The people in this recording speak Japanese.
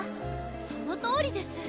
そのとおりです！